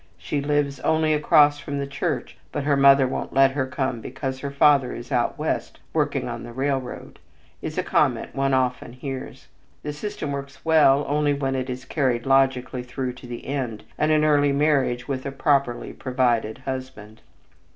She lives only across from the church but her mother won't let her come because her father is out West working on a railroad," is a comment one often hears. The system works well only when it is carried logically through to the end of an early marriage with a properly provided husband.